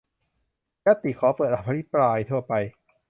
ญัตติขอเปิดอภิปรายทั่วไป